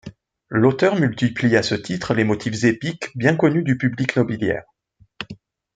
L'auteur multiplie à ce titre les motifs épiques bien connus du public nobiliaire.